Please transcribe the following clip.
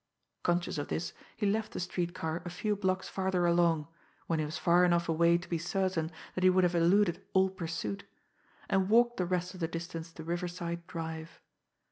Conscious of this, he left the street car a few blocks farther along, when he was far enough away to be certain that he would have eluded all pursuit and walked the rest of the distance to Riverside Drive.